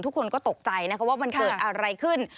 ทุกคนก็ตกใจนะคะว่ามันเกิดอะไรขึ้น